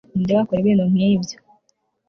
Ninde wakora ibintu nkibyo